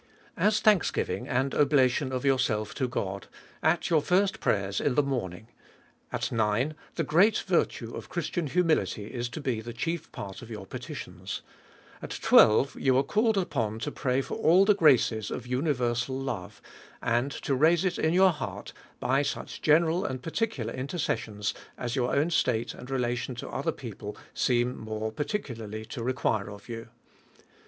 As thanksgiving, and oblation of yourself to God, at your first prayers in the morning; at nine, the great virtue of Christian humility is to be the chief part of your petitions ; at twelve, you are called upon to pray for all the graces of universal love, and to raise it in your heart by such general and particular interces sions, as your own state and relation to other people seem more particularly to require of you.